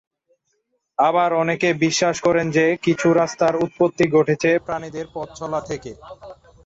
আবার অনেকে বিশ্বাস করেন যে, কিছু রাস্তার উৎপত্তি ঘটেছে প্রাণীদের পথ চলা থেকে।